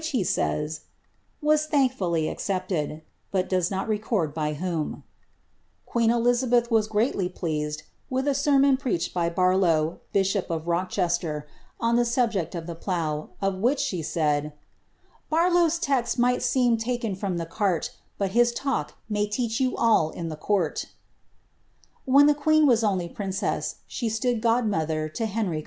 e says, " was thankfully accepted," but docs not record by whom.' (iueen Elizabeth was greatly pleased wiih a sermon preached bv Bar low, bishop of Rochester, on' the subject of the plough, of which, she said, " liarlow'a text might seem taken from the cart, but his talk lasv teach you all in the courU" When the queen was only princess, she stood godmother to Fleiir) • See his \e«ei lo Biiit\ei^ SLIIABBTH.